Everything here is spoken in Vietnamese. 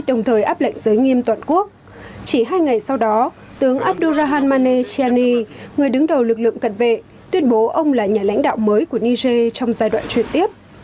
đồng thời áp lệnh giới nghiêm toàn quốc chỉ hai ngày sau đó tướng abdurahamane chiani người đứng đầu lực lượng cận vệ tuyên bố ông là nhà lãnh đạo mới của niger trong giai đoạn truyền tiếp